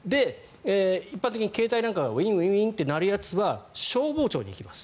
一般的に携帯なんかがウィンウィンって鳴るやつは消防庁に行きます。